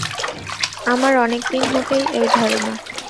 আমার অনেক দিন হতেই ঐ ধারণা।